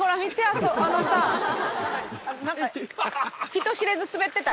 人知れずスベってた？